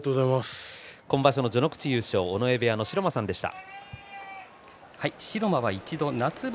今場所の序ノ口優勝尾上部屋の城間さんでした。